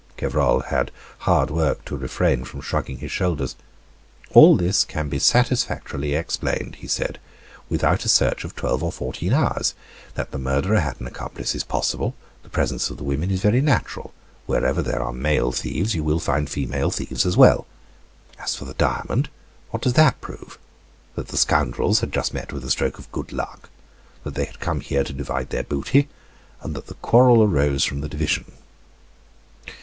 Gevrol had hard work to refrain from shrugging his shoulders. "All this can be satisfactorily explained," he said, "without a search of twelve or fourteen hours. That the murderer had an accomplice is possible. The presence of the women is very natural. Wherever there are male thieves, you will find female thieves as well. As for the diamond what does that prove? That the scoundrels had just met with a stroke of good luck, that they had come here to divide their booty, and that the quarrel arose from the division."